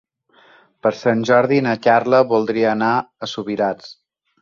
Per Sant Jordi na Carla voldria anar a Subirats.